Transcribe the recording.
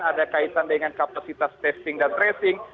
ada kaitan dengan kapasitas testing dan tracing